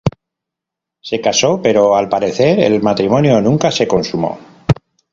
Se casó, pero al parecer el matrimonio nunca se consumó.